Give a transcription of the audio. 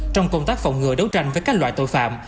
trong công tác phòng ngừa đấu tranh với các loại tội phạm